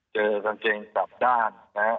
เจอกองเกงจับด้าน